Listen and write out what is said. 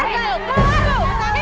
keluar lo keluar lo